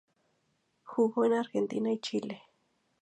Jugó en Argentina y Chile.